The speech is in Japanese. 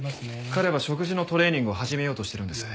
彼は食事のトレーニングを始めようとしてるんです。